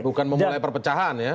bukan memulai perpecahan ya